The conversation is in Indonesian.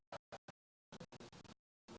tunggu tunggu satu sama satu